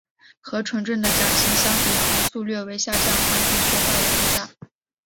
和纯正的甲型相比航速略为下降航程却大为增加。